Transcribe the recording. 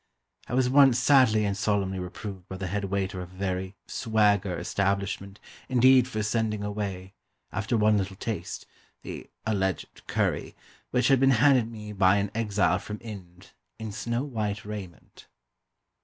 I was once sadly and solemnly reproved by the head waiter of a very "swagger" establishment indeed for sending away, after one little taste, the (alleged) curry which had been handed me by an exile from Ind, in snow white raiment.